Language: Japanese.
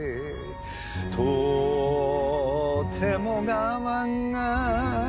「とても我慢が」